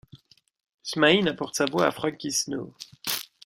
Smaïn apporte sa voix à Franky Snow.